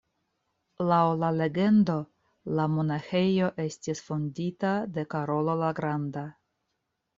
Laŭ la legendo la monaĥejo estis fondita de Karolo la Granda.